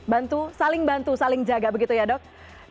bantu saling bantu saling jaga begitu ya dok